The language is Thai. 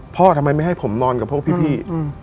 ทำไมไม่ให้ผมนอนกับพวกพี่